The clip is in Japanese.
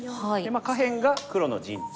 下辺が黒の陣地。